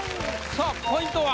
さぁポイントは？